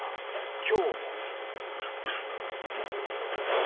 今日も。